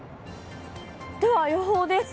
では、予報です。